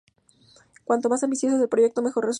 Cuanto más ambicioso es el proyecto, mejor resulta.